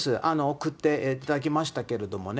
送っていただきましたけれどもね。